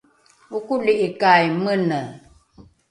okoli’ikai mene?